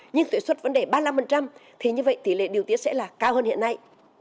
nhưng thuế xuất vẫn để ba mươi năm thì như vậy tỷ lệ điều tiết sẽ là cao hơn hiện nay